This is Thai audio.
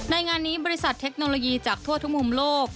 งานนี้บริษัทเทคโนโลยีจากทั่วทุกมุมโลก